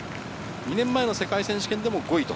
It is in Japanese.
２年前の世界選手権でも５位。